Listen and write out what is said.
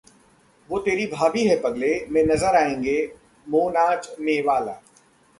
'वो तेरी भाभी है पगले' में नजर आएंगी मोनाज मेवाला